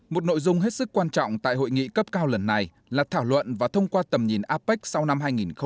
một nội dung hết sức quan trọng tại hội nghị cấp cao lần này là thảo luận và thông qua tầm nhìn apec sau năm hai nghìn hai mươi